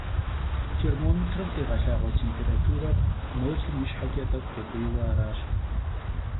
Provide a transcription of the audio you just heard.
Têrmomêtrım khiğelhağue têmpêraturer nolım yişheç'e t'ek'u dek'uêyue araş.